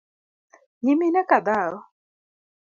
Nyimine ka dhao?